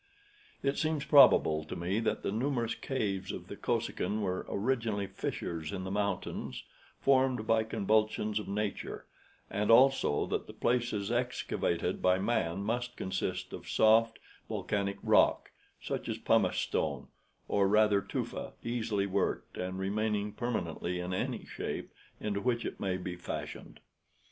It seems probable to me that the numerous caves of the Kosekin were originally fissures in the mountains, formed by convulsions of nature; and also that the places excavated by man must consist of soft volcanic rock, such as pumice stone, or rather tufa, easily worked, and remaining permanently in any shape into which it may be fashioned.